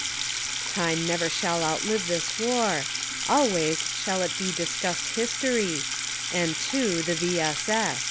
Time never shall outlive this war ; always shall it be discussed history; and, too, the V. S. S.